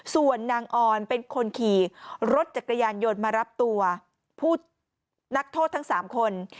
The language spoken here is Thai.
ส่วนนางออนเป็นคนขี่รถจักรยานยนต์มารับตัวผู้นักโทษทั้ง๓คน